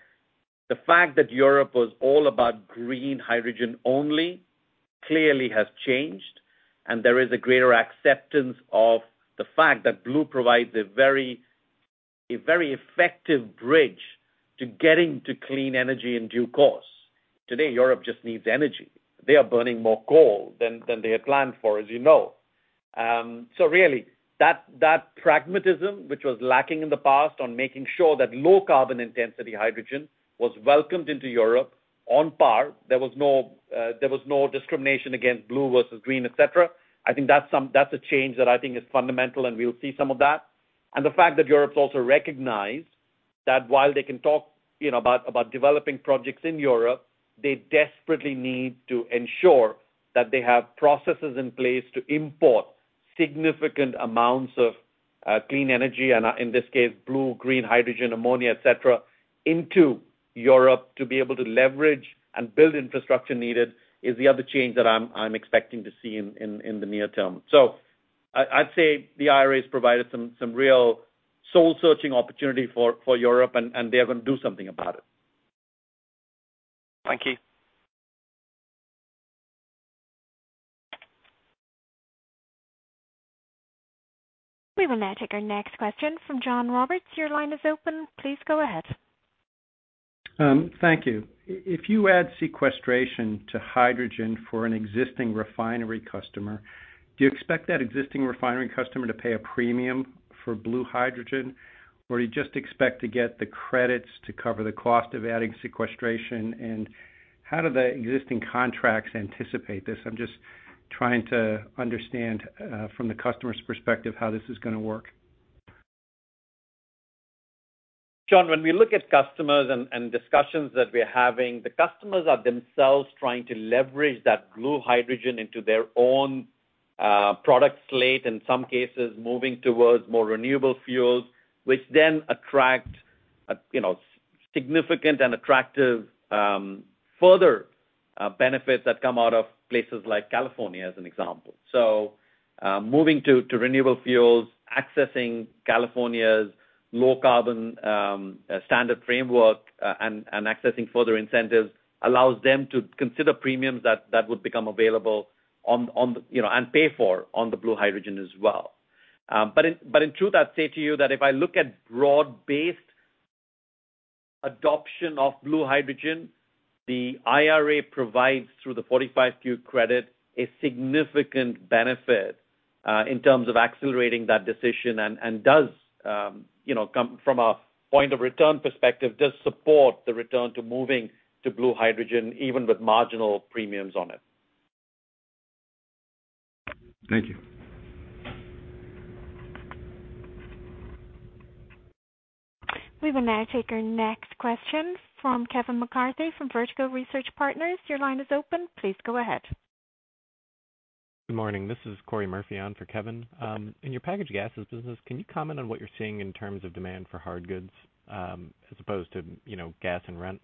the fact that Europe was all about green hydrogen only clearly has changed, and there is a greater acceptance of the fact that blue provides a very effective bridge to getting to clean energy in due course. Today, Europe just needs energy. They are burning more coal than they had planned for, as you know. Really that pragmatism, which was lacking in the past on making sure that low carbon intensity hydrogen was welcomed into Europe on par. There was no discrimination against blue versus green, et cetera. I think that's a change that I think is fundamental, and we'll see some of that. The fact that Europe's also recognized that while they can talk, you know, about developing projects in Europe, they desperately need to ensure that they have processes in place to import significant amounts of clean energy, and in this case, blue/green hydrogen, ammonia, et cetera, into Europe to be able to leverage and build infrastructure needed, is the other change that I'm expecting to see in the near term. I'd say the IRA has provided some real soul-searching opportunity for Europe and they are gonna do something about it. Thank you. We will now take our next question from John Roberts. Your line is open. Please go ahead. Thank you. If you add sequestration to hydrogen for an existing refinery customer, do you expect that existing refinery customer to pay a premium for blue hydrogen, or you just expect to get the credits to cover the cost of adding sequestration? How do the existing contracts anticipate this? I'm just trying to understand, from the customer's perspective, how this is gonna work. John, when we look at customers and discussions that we're having, the customers are themselves trying to leverage that blue hydrogen into their own product slate, in some cases, moving towards more renewable fuels, which then attract you know, significant and attractive further benefits that come out of places like California, as an example. Moving to renewable fuels, accessing California's Low Carbon Fuel Standard and accessing further incentives allows them to consider premiums that would become available on the you know, and pay for on the blue hydrogen as well. In truth, I'd say to you that if I look at broad-based adoption of blue hydrogen, the IRA provides through the 45Q credit a significant benefit in terms of accelerating that decision and does, you know, come from a point of return perspective, does support the return to moving to blue hydrogen, even with marginal premiums on it. Thank you. We will now take our next question from Kevin McCarthy from Vertical Research Partners. Your line is open. Please go ahead. Good morning. This is Cory Murphy on for Kevin. In your packaged gases business, can you comment on what you're seeing in terms of demand for hardgoods, as opposed to, you know, gas and rent?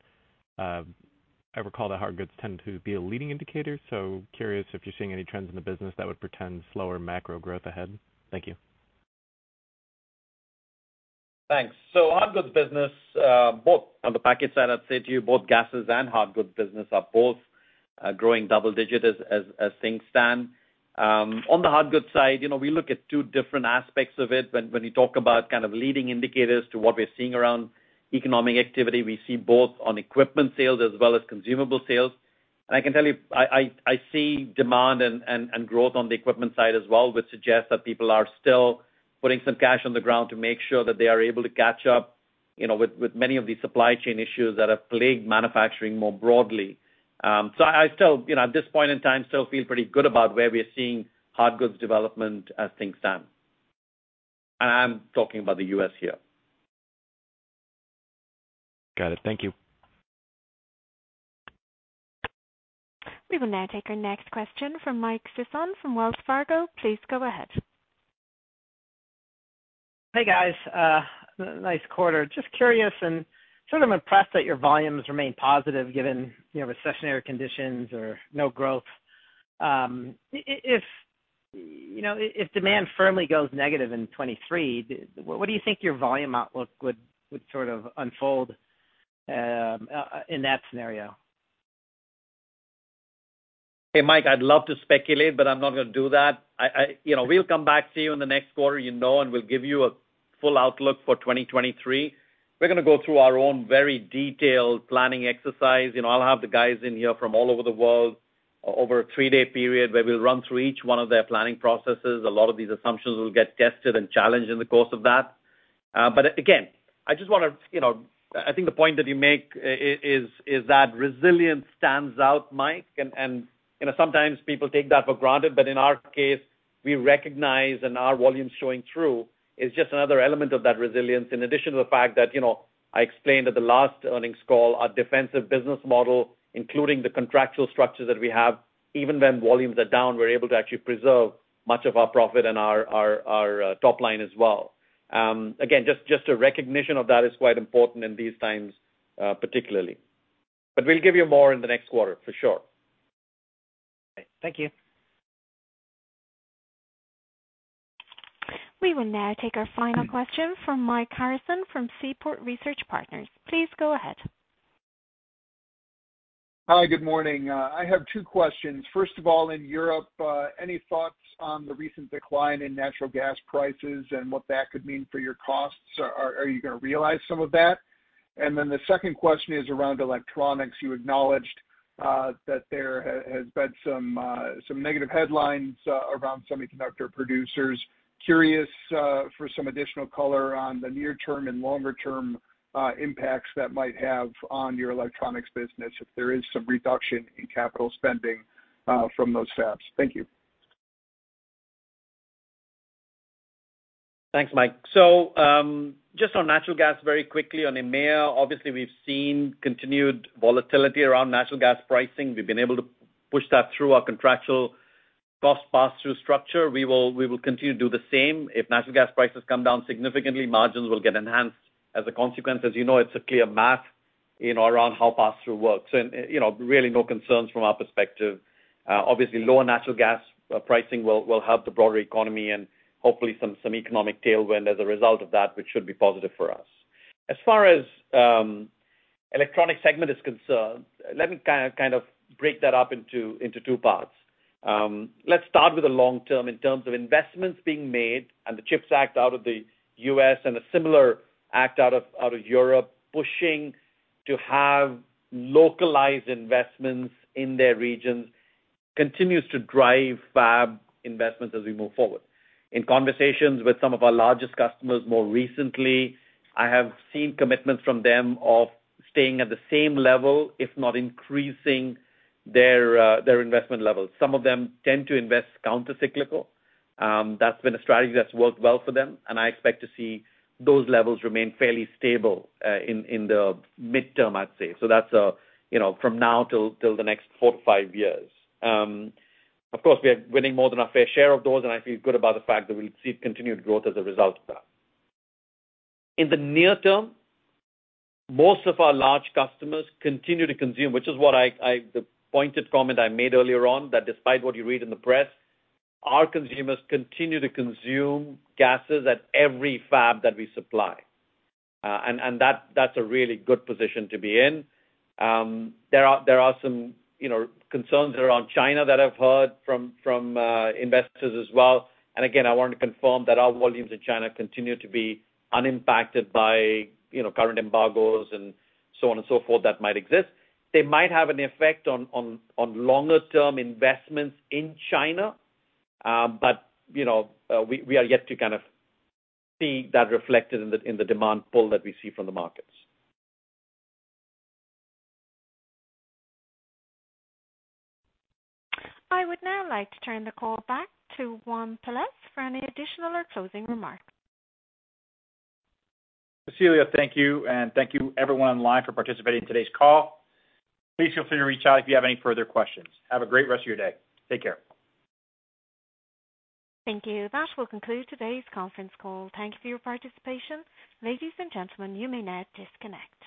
I recall that hardgoods tend to be a leading indicator, so curious if you're seeing any trends in the business that would portend slower macro growth ahead. Thank you. Thanks. So hardgoods business, both on the package side, I'd say to you, both gases and hardgoods business are growing double-digit as things stand. On the hardgoods side, you know, we look at two different aspects of it when you talk about kind of leading indicators to what we're seeing around economic activity. We see both on equipment sales as well as consumable sales. I can tell you, I see demand and growth on the equipment side as well, which suggests that people are still putting some cash on the ground to make sure that they are able to catch up, you know, with many of the supply chain issues that have plagued manufacturing more broadly. I still, you know, at this point in time, still feel pretty good about where we are seeing hardgoods development as things stand. I'm talking about the U.S. Here. Got it. Thank you. We will now take our next question from Mike Sison from Wells Fargo. Please go ahead. Hey guys, nice quarter. Just curious and sort of impressed that your volumes remain positive given, you know, recessionary conditions or no growth. If demand firmly goes negative in 2023, what do you think your volume outlook would sort of unfold in that scenario? Hey, Mike, I'd love to speculate, but I'm not gonna do that. You know, we'll come back to you in the next quarter, you know, and we'll give you a full outlook for 2023. We're gonna go through our own very detailed planning exercise. You know, I'll have the guys in here from all over the world over a three-day period, where we'll run through each one of their planning processes. A lot of these assumptions will get tested and challenged in the course of that. But, again, I just wanna, you know, I think the point that you make is that resilience stands out, Mike, and, you know, sometimes people take that for granted. But in our case, we recognize and our volume's showing through is just another element of that resilience. In addition to the fact that, you know, I explained at the last earnings call, our defensive business model, including the contractual structure that we have, even when volumes are down, we're able to actually preserve much of our profit and our top line as well. Again, just a recognition of that is quite important in these times, particularly. We'll give you more in the next quarter, for sure. Thank you. We will now take our final question from Mike Harrison from Seaport Research Partners. Please go ahead. Hi, good morning. I have two questions. First of all, in Europe, any thoughts on the recent decline in natural gas prices and what that could mean for your costs? Are you gonna realize some of that? The second question is around electronics. You acknowledged, that there has been some negative headlines around semiconductor producers. Curious for some additional color on the near term and longer term impacts that might have on your electronics business if there is some reduction in capital spending from those fabs. Thank you. Thanks, Mike. Just on natural gas very quickly on EMEA, obviously we've seen continued volatility around natural gas pricing. We've been able to push that through our contractual cost pass-through structure. We will continue to do the same. If natural gas prices come down significantly, margins will get enhanced as a consequence. As you know, it's a clear math, you know, around how pass-through works. You know, really no concerns from our perspective. Obviously lower natural gas pricing will help the broader economy and hopefully some economic tailwind as a result of that, which should be positive for us. As far as electronics segment is concerned, let me kind of break that up into two parts. Let's start with the long term in terms of investments being made and the CHIPS Act out of the U.S. and a similar act out of Europe pushing to have localized investments in their regions continues to drive fab investments as we move forward. In conversations with some of our largest customers more recently, I have seen commitments from them of staying at the same level, if not increasing their investment levels. Some of them tend to invest countercyclical. That's been a strategy that's worked well for them, and I expect to see those levels remain fairly stable in the midterm, I'd say. That's, you know, from now till the next four to five years. Of course, we are winning more than our fair share of those, and I feel good about the fact that we'll see continued growth as a result of that. In the near term, most of our large customers continue to consume, which is what the pointed comment I made earlier on, that despite what you read in the press, our consumers continue to consume gases at every fab that we supply. And that's a really good position to be in. There are some, you know, concerns around China that I've heard from investors as well. Again, I want to confirm that our volumes in China continue to be unimpacted by, you know, current embargoes and so on and so forth that might exist. They might have an effect on longer term investments in China, but you know, we are yet to kind of see that reflected in the demand pull that we see from the markets. I would now like to turn the call back to Juan Pelaez for any additional or closing remarks. Cecilia, thank you, and thank you everyone online for participating in today's call. Please feel free to reach out if you have any further questions. Have a great rest of your day. Take care. Thank you. That will conclude today's conference call. Thank you for your participation. Ladies and gentlemen, you may now disconnect.